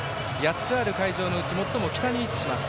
８つある会場のうち最も北に位置します。